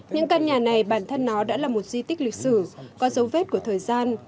những căn nhà này bản thân nó đã là một di tích lịch sử có dấu vết của thời gian